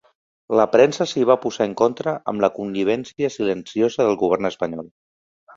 La premsa s'hi va posar en contra amb la connivència silenciosa del govern espanyol.